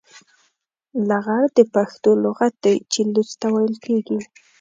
لغړ د پښتو لغت دی چې لوڅ ته ويل کېږي.